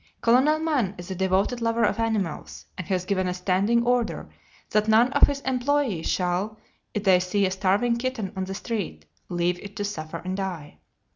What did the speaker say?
Colonel Mann is a devoted lover of animals, and has given a standing order that none of his employees shall, if they see a starving kitten on the street, leave it to suffer and die.